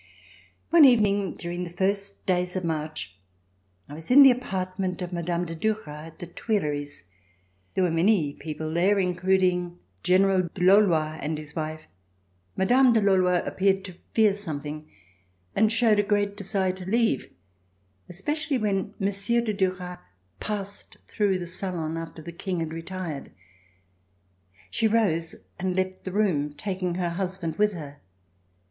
One evening during the first days of March, I was in the apartment of Mme. de Duras at the Tuileries. There were many people there, including General Dulauloy and his wife. Mme. Dulauloy appeared to fear something and showed a great desire to leave, especially when Monsieur de Duras passed through the salon after the King had retired. She rose and left the room taking her husband with her.